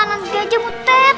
anang gajah mutet